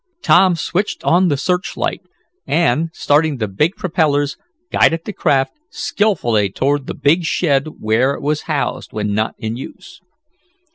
Tom switched on the search light, and, starting the big propellers, guided the craft skillfully toward the big shed where it was housed when not in use.